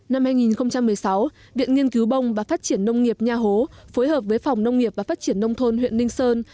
năm hai nghìn một mươi sáu viện nghiên cứu bông và phát triển nông nghiệp nha hố phối hợp với phòng nông nghiệp và phát triển nông thôn huyện ninh sơn